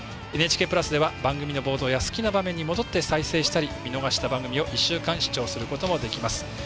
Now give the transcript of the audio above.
ＮＨＫプラスでは番組の冒頭や好きな場面に戻って再生したり見逃した番組を１週間視聴することもできます。